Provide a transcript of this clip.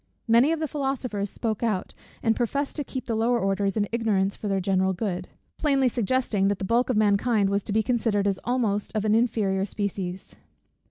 Many of the philosophers spoke out, and professed to keep the lower orders in ignorance for the general good; plainly suggesting that the bulk of mankind was to be considered as almost of an inferior species.